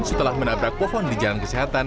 setelah menabrak pohon di jalan kesehatan